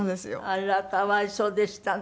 あら可哀想でしたね。